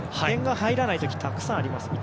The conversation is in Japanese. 点が入らない時はたくさんあります。